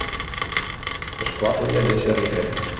Beskoattelje dizze rige.